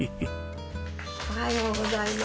おはようございます。